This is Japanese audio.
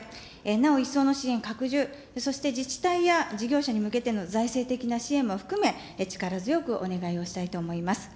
なお一層の支援拡充、そして自治体や事業者に向けての財政的な支援も含め、力強くお願いをしたいと思います。